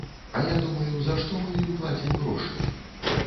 А я думаю, за што мы ім плацім грошы?